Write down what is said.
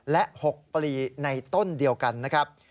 และ๖ปลีในต้นเดียวกันนะครับ